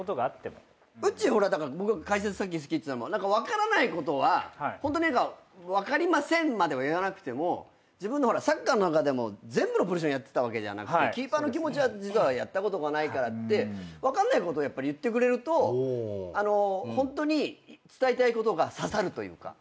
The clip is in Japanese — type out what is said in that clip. うっちーはほら僕が解説さっき好きって言ったのも分からないことはホントに何か「分かりません」までは言わなくても自分のほらサッカーの中でも全部のポジションやってたわけじゃなくてキーパーの気持ちは実はやったことがないからって分かんないことはやっぱり言ってくれるとあのホントに伝えたいことが刺さるというか。